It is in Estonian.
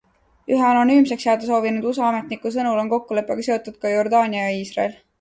Ühe anonüümseks jääda soovinud USA ametniku sõnul on kokkuleppega seotud ka Jordaania ja Iisrael.